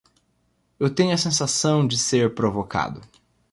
Eu tenho a sensação de ser provocado